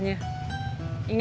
ini mak kuahnya